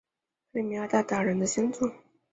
克里米亚鞑靼人的先祖？